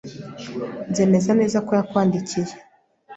Nzemeza neza ko yakwandikiye.